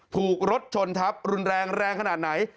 ถูกรถชนทับรุนแรงแรงขนาดไหน